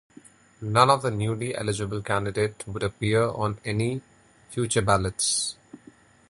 None of the newly-eligible candidates would appear on any future ballots.